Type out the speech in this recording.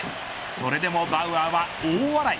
それでもバウアーは大笑い。